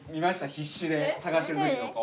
必死で捜してる時の顔。